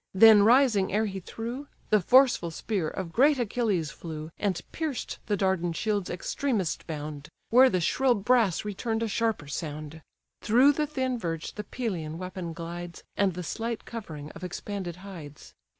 Then rising ere he threw, The forceful spear of great Achilles flew, And pierced the Dardan shield's extremest bound, Where the shrill brass return'd a sharper sound: Through the thin verge the Pelean weapon glides, And the slight covering of expanded hides.